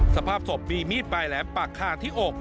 สภาพศพมีมีดไปและปากคาดที่อก